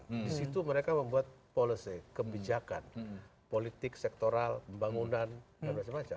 di situ mereka membuat kebijakan politik sektoral pembangunan dll